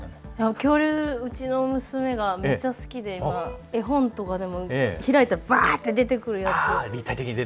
恐竜、うちの娘がめっちゃ好きで絵本とかでも開いたらバーって出てくるやつとか。